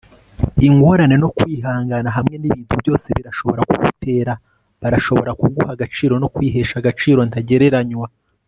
ingorane, no kwihangana hamwe nibintu byose birashobora kugutera. barashobora kuguha agaciro no kwihesha agaciro ntagereranywa